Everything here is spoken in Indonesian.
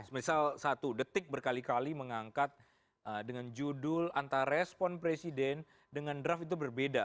misal satu detik berkali kali mengangkat dengan judul antar respon presiden dengan draft itu berbeda